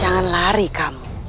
jangan lari kamu